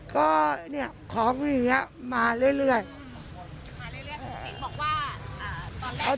ก็เนี้ยของนี้ฮะมาเรื่อยเรื่อยมาเรื่อยเรื่อยบอกว่าอ่า